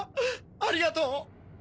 ありがとう。